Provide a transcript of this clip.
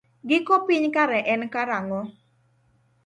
Giko piny kare en karang'o?